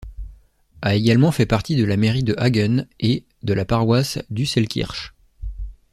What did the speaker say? A également fait partie de la mairie de Hagen et de la paroisse d'Usselskirch.